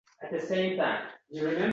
Boshim og'riyapti.